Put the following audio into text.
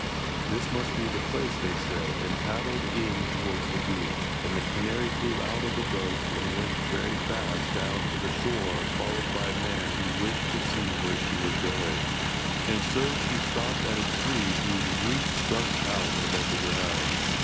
'This must be the place,' they said, and paddled in towards the beach, and the canary flew out of the boat and went very fast down to the shore followed by a man who wished to see where she was going, and she stopped at a tree whose roots stuck out above the ground.